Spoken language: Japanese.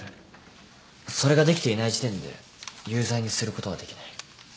それができていない時点で有罪にすることはできない。